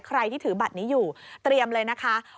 ใครที่ถือบัตรนี้อยู่เตรียมเลยนะคะ